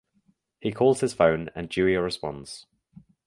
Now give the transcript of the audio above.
He calls his phone and Dewey responds.